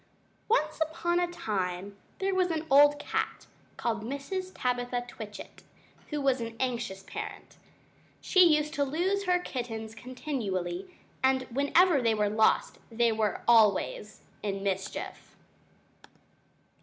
] Once upon a time there was an old cat, called Mrs. Tabitha Twitchit, who was an anxious parent. She used to lose her kittens continually, and whenever they were lost they were always in mischief!